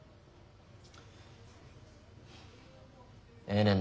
ええねん